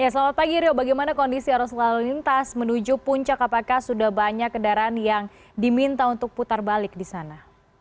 selamat pagi rio bagaimana kondisi arus lalu lintas menuju puncak apakah sudah banyak kendaraan yang diminta untuk putar balik di sana